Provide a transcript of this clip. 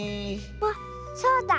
あっそうだ！